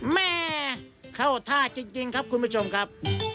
แม่เข้าท่าจริงครับคุณผู้ชมครับ